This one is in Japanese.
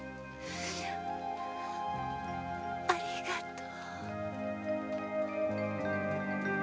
ありがとう。